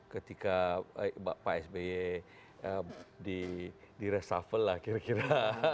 ketika pak asb di restafel lah kira kira